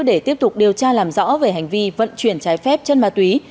để tiếp tục điều tra làm rõ về hành vi vận chuyển trái phép chân ma túy